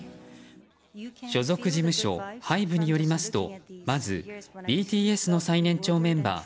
所属事務所ＨＹＢＥによりますとまずＢＴＳの最年長メンバー